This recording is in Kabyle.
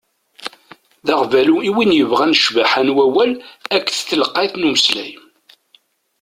D aɣbalu i win yebɣan ccbaḥa n wawal akked telqayt n umeslay.